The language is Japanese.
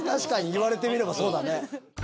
言われてみればそうだね。